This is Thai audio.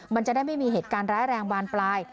มันจะได้ไม่มีเหตุการณ์ร้ายแรงบานปลาย